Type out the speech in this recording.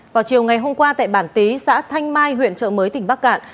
vào chiều ngày hôm qua tại bản tý xã thanh mai huyện trợ mới tỉnh bắc cạn